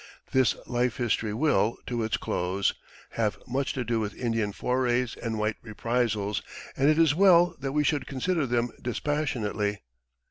This life history will, to its close, have much to do with Indian forays and white reprisals, and it is well that we should consider them dispassionately.